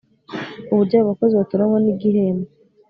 Uburyo abo bakozi batoranywa n igihembo